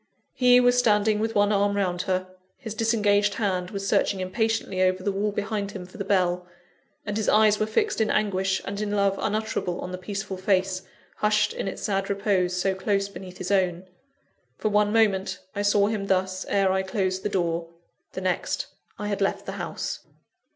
He was standing with one arm round her, his disengaged hand was searching impatiently over the wall behind him for the bell, and his eyes were fixed in anguish and in love unutterable on the peaceful face, hushed in its sad repose so close beneath his own. For one moment, I saw him thus, ere I closed the door the next, I had left the house.